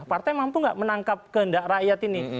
partai mampu nggak menangkap kehendak rakyat ini